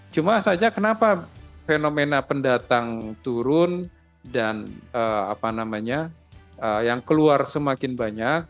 cuma saja kenapa fenomena pendatang turun dan apa namanya yang keluar semakin banyak